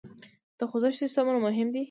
د خوزښت سیسټمونه مهم دي.